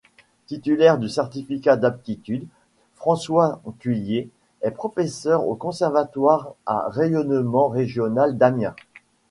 Titulaire du certificat d'aptitude, François Thuillier est professeur au conservatoire à rayonnement régional d'Amiens.